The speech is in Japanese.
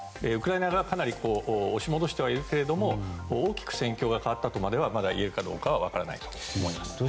ウクライナ側がかなり押し戻してはいるけれども大きく戦況が変わったと言えるかどうかは分からないと思います。